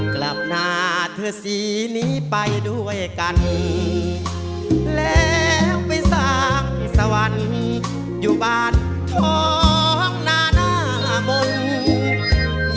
กลับหน้าเธอสีนี้ไปด้วยกันแล้วไปสร้างสวรรค์อยู่บ้านท้องนาหน้าเมือง